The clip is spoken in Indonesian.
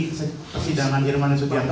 kesidangan jerman dan subianto